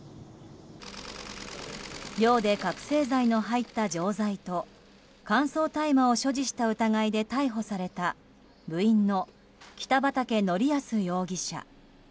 寮で覚醒剤の入った錠剤と乾燥大麻を所持した疑いで逮捕された部員の北畠成文容疑者。